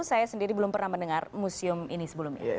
saya sendiri belum pernah mendengar museum ini sebelumnya